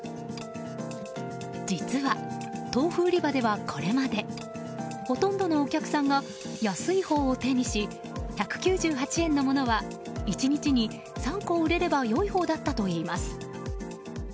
実は、豆腐売り場ではこれまでほとんどのお客さんが安いほうを手にし１９８円のものは１日に３個売れれば良いほうだったといいます。